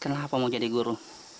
kenapa mau jadi guru